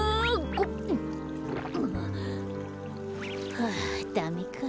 はあダメか。